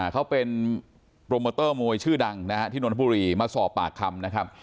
เขาเป็นโปรโมเตอร์มวยชื่อดังที่นวลธบุรีมาสอบปากคำ